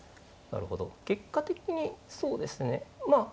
なるほど結果的にそうですね